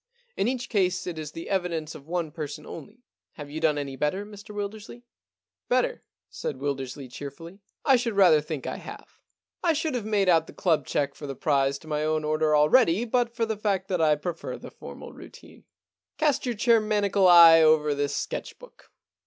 In each case it is the evidence 175 The Problem Club of one person only. Have you done any better, Mr Wildersley ?'* Better ?* said Wildersley cheerfully. * I should rather think I have. I should have made out the club cheque for the prize to my own order already but for the fact that I prefer the formal routine. Cast your chair maniacal eye over this sketch book.